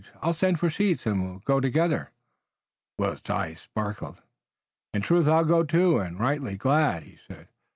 I'll send for seats and we'll go together." Willet's eyes sparkled. "In truth I'll go, too, and right gladly," he said.